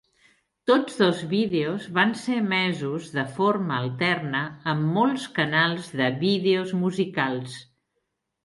Tots dos vídeos van ser emesos de forma alterna en molts canals de vídeos musicals.